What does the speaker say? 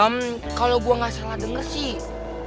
em kalo gua gak salah denger sih